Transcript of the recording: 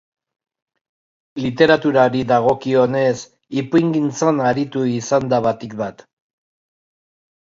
Literaturari dagokionez, ipuingintzan aritu izan da batik bat.